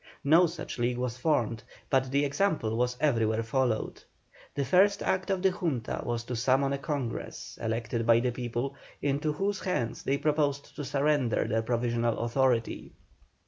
No such league was formed, but the example was everywhere followed. The first act of the Junta was to summon a Congress, elected by the people, into whose hands they proposed to surrender their provisional authority.